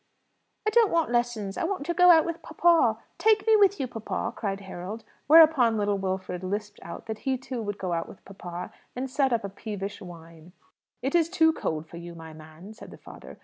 "I don't want lessons; I want to go out with papa. Take me with you, papa," cried Harold. Whereupon little Wilfred lisped out that he too would go out with papa, and set up a peevish whine. "It is too cold for you, my man," said the father.